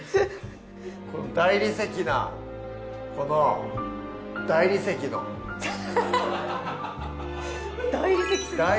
これ大理石なこの大理石の大理石すぎですね